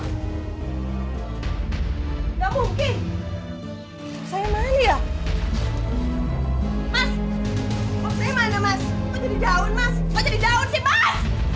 nggak mungkin saya malah ya